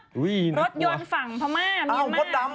รถยนต์ฝั่งพระม่าเมียนม่าอ้าวหัวดดำ